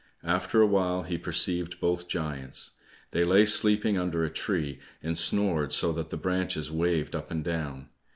After a while he perceived both giants. They lay sleeping under a tree, and snored so that the branches waved up and down.